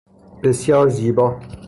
بسیار زیبا